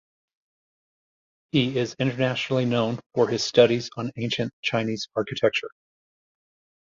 He is internationally known for his studies on ancient Chinese architecture.